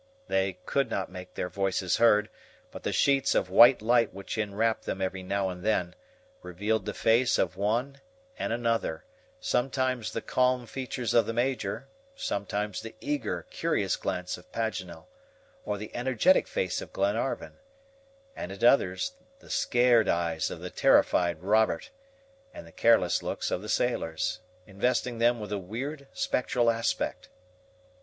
They could not make their voices heard, but the sheets of white light which enwrapped them every now and then, revealed the face of one and another, sometimes the calm features of the Major, sometimes the eager, curious glance of Paganel, or the energetic face of Glenarvan, and at others, the scared eyes of the terrified Robert, and the careless looks of the sailors, investing them with a weird, spectral aspect.